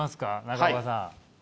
中岡さん。